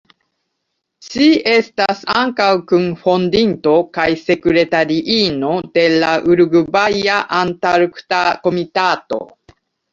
Ŝi estas ankaŭ kun-fondinto kaj sekretariino de la Urugvaja Antarkta Komitato.